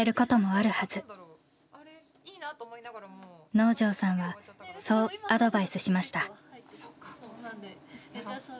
能條さんはそうアドバイスしました。